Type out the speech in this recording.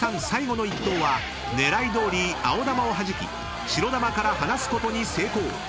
最後の１投は狙いどおり青球をはじき白球から離すことに成功］